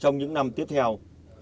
năm tiếp theo